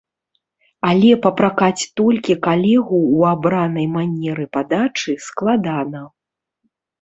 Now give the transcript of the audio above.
Але папракаць толькі калегу ў абранай манеры падачы складана.